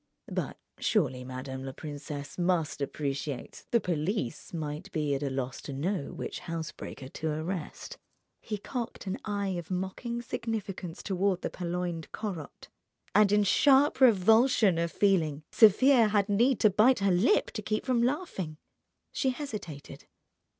"But surely madame la princesse must appreciate the police might be at a loss to know which housebreaker to arrest." He cocked an eye of mocking significance toward the purloined "Corot," and in sharp revulsion of feeling Sofia had need to bite her lip to keep from laughing. She hesitated.